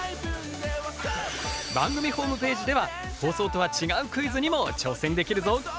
番組ホームページでは放送とは違うクイズにも挑戦できるぞ。